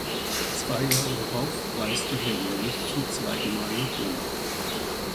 Zwei Jahre darauf reiste Herodes zum zweiten Mal nach Rom.